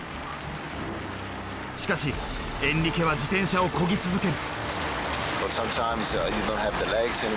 しかしエンリケは自転車をこぎ続ける。